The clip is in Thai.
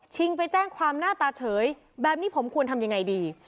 ไปแจ้งความหน้าตาเฉยแบบนี้ผมควรทำยังไงดี